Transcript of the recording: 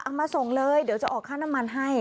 มาส่งเลยเดี๋ยวจะออกค่าน้ำมันให้